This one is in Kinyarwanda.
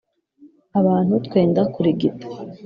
Abantu twenda kurigita.